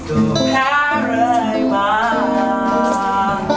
แพ้เรื่อยมา